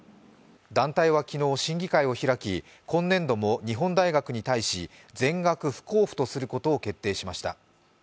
団体は昨日、審議会を開き、今年度も日本大学に対し全額不交付とすることを決定しました。